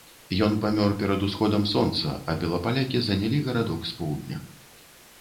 Ён памёр перад усходам сонца, а белапалякі занялі гарадок з поўдня.